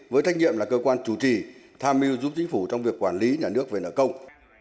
với trách nhiệm là cơ quan chủ trì tham mưu giúp chính phủ trong việc quản lý nhà nước về nợ công